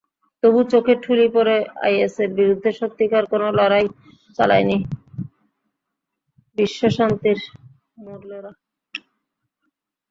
তবু চোখে ঠুলি পরে আইএসের বিরুদ্ধে সত্যিকার কোনো লড়াই চালায়নি বিশ্বশান্তির মোড়লেরা।